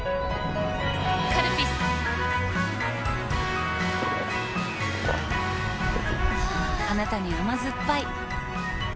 カルピスはぁあなたに甘ずっぱい